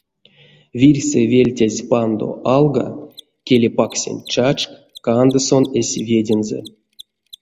Вирьсэ вельтязь пандо алга, келей паксянь чачк канды сон эсь ведензэ.